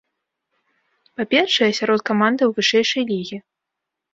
Па-першае, сярод камандаў вышэйшай лігі.